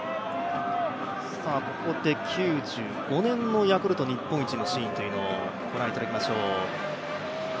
ここで９５年のヤクルト日本一のシーンをご覧いただきましょう。